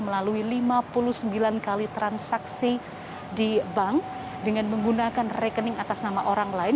melalui lima puluh sembilan kali transaksi di bank dengan menggunakan rekening atas nama orang lain